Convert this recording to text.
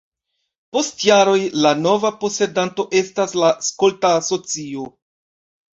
Post jaroj la nova posedanto estas la skolta asocio.